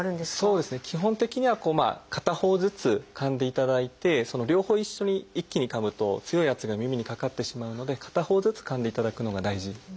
基本的には片方ずつかんでいただいて両方一緒に一気にかむと強い圧が耳にかかってしまうので片方ずつかんでいただくのが大事ですね。